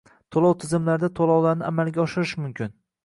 To'lov tizimlarida to'lovlarni amalga oshirish mumkin